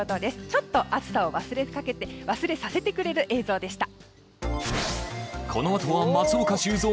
ちょっと暑さを忘れさせてくれる映像でした。